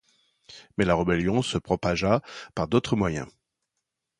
Mais la rébellion se propagea par d'autres moyens.